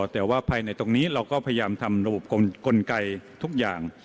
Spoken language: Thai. แต่ว่าภายในตรงนี้เราก็พยายามทำระบบกลไกทุกอย่าง